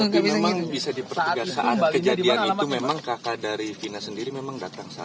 tapi memang bisa dipertegas saat kejadian itu memang kakak dari fina sendiri memang datang saja